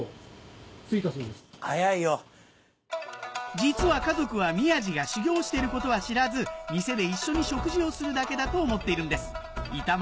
実は家族は宮治が修業していることは知らず店で一緒に食事をするだけだと思っているんです板前